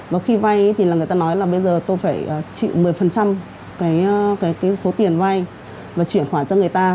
và khi vay thì là người ta nói là bây giờ tôi phải chịu một mươi cái số tiền vay và chuyển khoản cho người ta